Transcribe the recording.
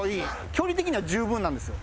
距離的には十分なんですよ。